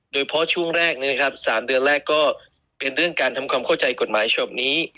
โดยเพราะช่วงแรกเนี่ยครับ๓เดือนแรกก็เป็นเรื่องการทำความเข้าใจกฎหมายชอบนี้